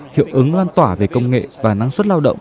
hiệu ứng loan tỏa về công nghệ và năng suất lao động